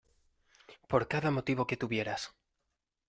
por cada motivo que tuvieras,